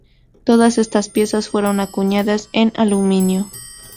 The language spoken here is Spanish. Todas estas piezas fueron acuñadas en aluminio.